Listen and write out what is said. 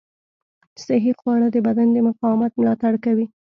صحي خواړه د بدن د مقاومت ملاتړ کوي.